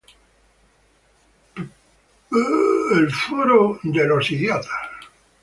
Pete Times Forum.